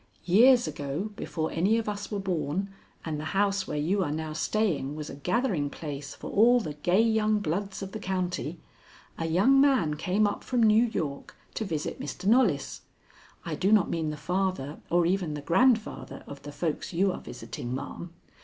Years ago, before any of us were born, and the house where you are now staying was a gathering place for all the gay young bloods of the county, a young man came up from New York to visit Mr. Knollys. I do not mean the father or even the grandfather of the folks you are visiting, ma'am.